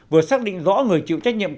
vừa xác định rõ người chịu trách nhiệm